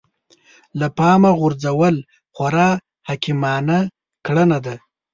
له پامه غورځول خورا حکيمانه کړنه ده.